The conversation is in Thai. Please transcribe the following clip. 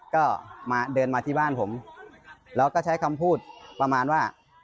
ก็มาเดินมาที่บ้านผมแล้วก็ใช้คำพูดประมาณว่า